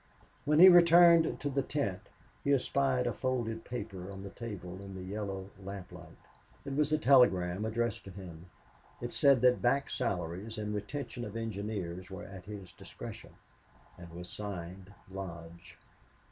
When he returned to the tent he espied a folded paper on the table in the yellow lamplight. It was a telegram addressed to him. It said that back salaries and retention of engineers were at his discretion, and was signed Lodge.